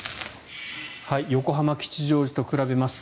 横浜、吉祥寺と比べます。